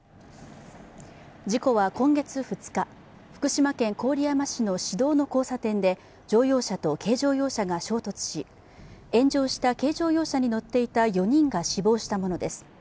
事故は今月２日、福島県郡山市の市道の交差点で乗用車と軽乗用車が衝突し炎上した軽乗用車に乗っていた４人が死亡したものです。